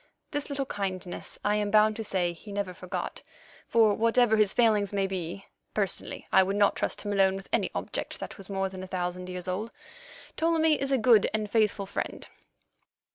This little kindness I am bound to say he never forgot, for whatever his failings may be (personally I would not trust him alone with any object that was more than a thousand years old), Ptolemy is a good and faithful friend.